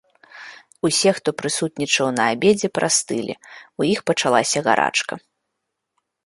Усе, хто прысутнічаў на абедзе прастылі, у іх пачалася гарачка.